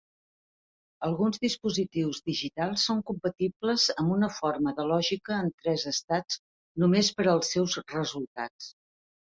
Alguns dispositius digitals són compatibles amb una forma de lògica en tres estats només per als seus resultats.